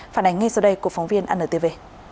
phản ánh ngay sau đây của phóng viên ann tv